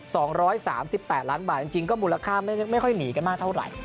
สองร้อยสามสิบแปดล้านบาทจริงจริงก็มูลค่าไม่ไม่ค่อยหนีกันมากเท่าไหร่